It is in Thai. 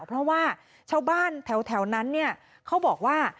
เพราะว่าชาวบ้านแถวนั้นเนี่ยเขาบอกว่า